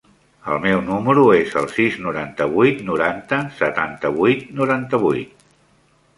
El meu número es el sis, noranta-vuit, noranta, setanta-vuit, noranta-vuit.